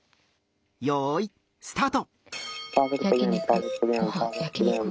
よいスタート。